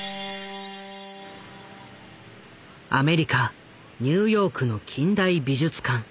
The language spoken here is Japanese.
アメリカニューヨークの近代美術館